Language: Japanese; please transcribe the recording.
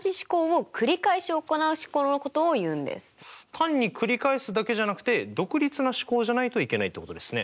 単にくり返すだけじゃなくて独立な試行じゃないといけないってことですね。